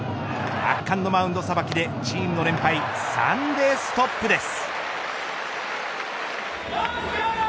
圧巻のマウンドさばきでチームの連敗３でストップです。